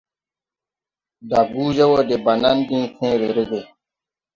Daguje wɔ de banan diŋ fẽẽre rege.